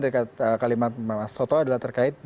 dari kalimat mas toto adalah terkait